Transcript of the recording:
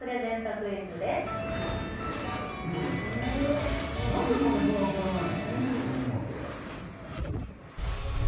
これ何でこんなふわふわなの！？